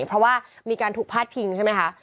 เพราะว่ามีการถูกพาดพิงใช่ไหมคะ